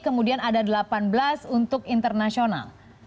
kemudian ada delapan belas untuk internasional